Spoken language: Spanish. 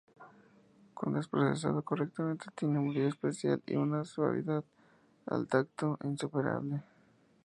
Cuando es procesado correctamente, tiene un brillo especial y una suavidad al tacto insuperable.